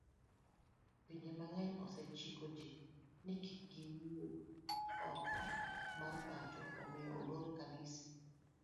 Pinje mang'eny osechiko ji ni kikgiwuogoko mar pacho omiyo oloro kanise